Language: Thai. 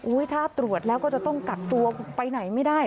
ถ้าตรวจแล้วก็จะต้องกักตัวไปไหนไม่ได้